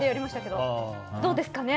どうですかね。